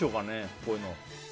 こういうの。